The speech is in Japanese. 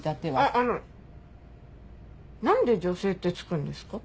ああの何で「女性」って付くんですか？